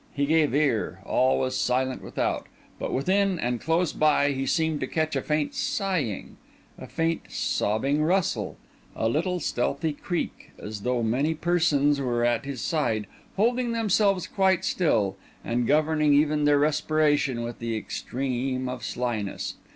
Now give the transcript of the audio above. He gave ear; all was silent without, but within and close by he seemed to catch a faint sighing, a faint sobbing rustle, a little stealthy creak—as though many persons were at his side, holding themselves quite still, and governing even their respiration with the extreme of slyness.